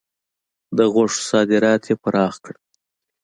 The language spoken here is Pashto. د غوښو صادرات یې پراخ کړل.